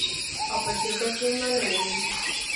او په جرګه کې منلې وو .